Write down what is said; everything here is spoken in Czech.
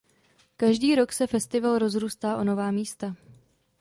Každý rok se festival rozrůstá o nová místa.